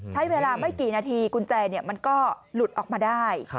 ใช้เวลาไม่กี่นาทีกุญแจมันก็หลุดออกมาได้